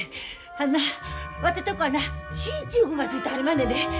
あんなわてとこはな進駐軍がついてはりまんねんで。